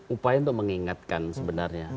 upaya untuk mengingatkan sebenarnya